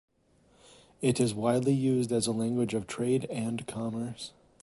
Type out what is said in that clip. It is widely used as a language of trade and commerce.